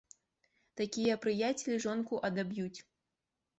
Такія прыяцелі жонку адаб'юць.